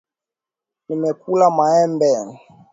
Nimekula maembe.